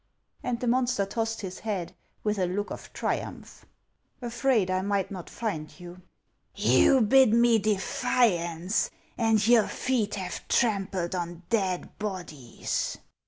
And the monster tossed his head with a look of triumph. " Afraid I might not find you." " You bid me defiance, and your feet have trampled on dead bodies